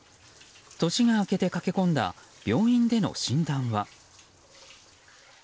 年が明けて駆け込んだ病院での診断は。